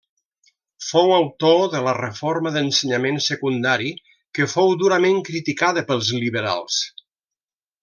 Fou autor de la reforma d'ensenyament secundari que fou durament criticada pels liberals.